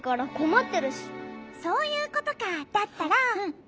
そういうことかだったら。